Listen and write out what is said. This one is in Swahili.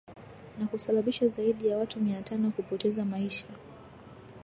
na kusabisha zaidi ya watu mia tano kupoteza maisha